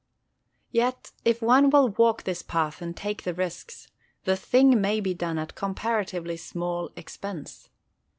Yet, if one will walk this path and take the risks, the thing may be done at comparatively small expense.